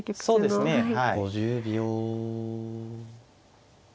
そうですねはい。